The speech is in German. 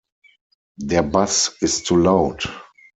Der Bass ist zu laut.